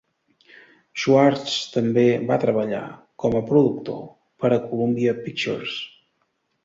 Schwartz també va treballar com a productor, per a Columbia Pictures.